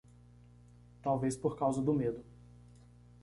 Talvez por causa do medo